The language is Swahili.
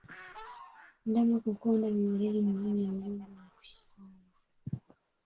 Ndama kukonda ni dalili muhimu ya ugonjwa wa kuhara